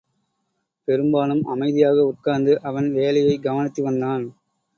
பெரும்பாலும், அமைதியாக உட்கார்ந்து, அவன் வேலையைக் கவனித்து வந்தான்.